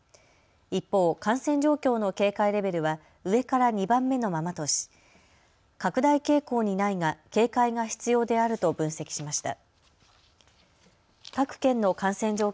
一方、感染状況の警戒レベルは上から２番目のままとし拡大傾向にないが警戒が必要であると分析しました。